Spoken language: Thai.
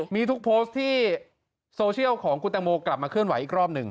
มีทุกโพสต์ที่โซเชียลของคุณตังโมกลับมาเคลื่อนไหวอีกรอบหนึ่ง